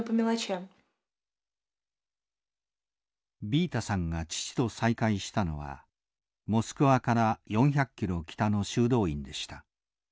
ビータさんが父と再会したのはモスクワから４００ｋｍ北の修道院でした。